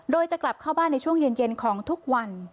โดยจะกลับเข้าบ้านในช่วงเย็นของทุกวัน